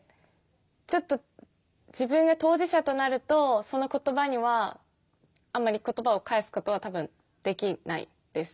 ちょっと自分が当事者となるとその言葉にはあまり言葉を返すことは多分できないです。